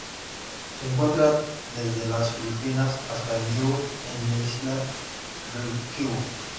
Se encuentra desde las Filipinas hasta Niue e Islas Ryukyu.